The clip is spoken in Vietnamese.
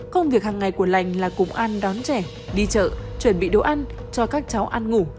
công việc hàng ngày của lành là cùng ăn đón trẻ đi chợ chuẩn bị đồ ăn cho các cháu ăn ngủ